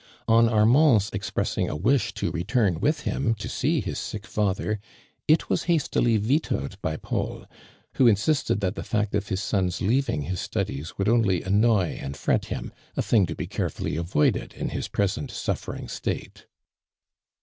On Armand's expressing a wish to return with him, to see his sick father, it was hastily vetoed by Paul, who insisted that the fact of hi« son's leaving his studies would only annoy and fret him, a thing to be carefully avoided in his present suffering state.